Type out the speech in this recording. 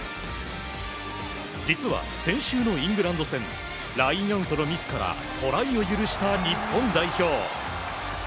実は先週のイングランド戦ラインアウトのミスからトライを許した日本代表。